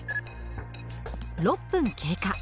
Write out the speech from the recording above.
６分経過。